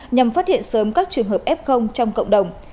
nhằm phát hiện sớm các trường hợp f trong cộng đồng